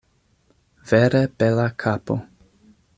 Vere bela kapo.